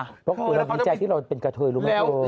พวกเราดีใจที่เราเป็นกับเธอรู้ไหม